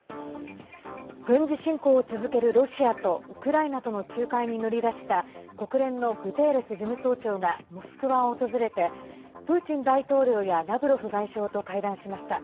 軍事侵攻を続けるロシアとウクライナとの仲介に乗り出した国連のグテーレス事務総長がモスクワを訪れてプーチン大統領やラブロフ外相と会談しました。